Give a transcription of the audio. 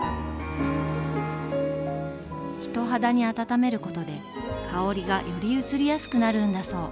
人肌に温めることで香りがよりうつりやすくなるんだそう。